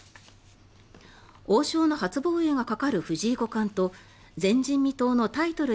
王将の初防衛がかかる藤井五冠と前人未到のタイトル